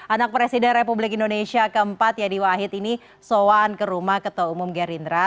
anak presiden republik indonesia keempat yadi wahid ini soan ke rumah ketua umum gerindra